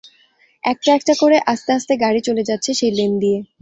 একটা একটা করে আস্তে আস্তে গাড়ি চলে যাচ্ছে সেই লেন দিয়ে।